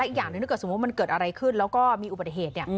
อีกอย่างหนึ่งถ้าเกิดสมมุติมันเกิดอะไรขึ้นแล้วก็มีอุบัติเหตุ